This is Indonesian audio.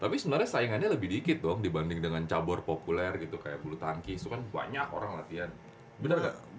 tapi sebenarnya saingannya lebih dikit dong dibanding dengan cabur populer gitu kayak bulu tangkis itu kan banyak orang latihan bener nggak